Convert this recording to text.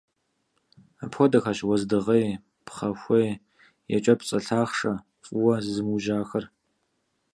Апхуэдэхэщ уэздыгъей, пхъэхуей, екӀэпцӀэ лъахъшэ, фӀыуэ зызымыужьахэр.